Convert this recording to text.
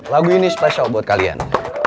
lagu ini spesial buat kalian